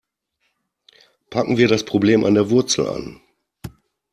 Packen wir das Problem an der Wurzel an.